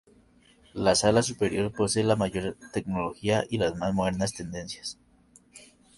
La sala superior posee la mayor tecnología y las más modernas tendencias.